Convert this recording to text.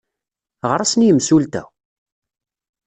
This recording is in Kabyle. Ɣer-asen i yemsulta!